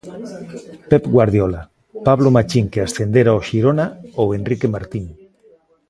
Pep Guardiola, Pablo Machín que ascendera ao Xirona ou Enrique Martín.